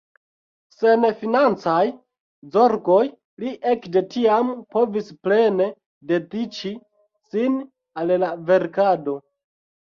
Sen financaj zorgoj li ekde tiam povis plene dediĉi sin al la verkado.